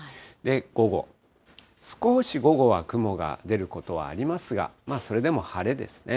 午後、少し午後は雲が出ることはありますが、それでも晴れですね。